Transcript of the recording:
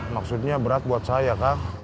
maksudnya berat buat saya kan